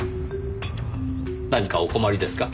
何かお困りですか？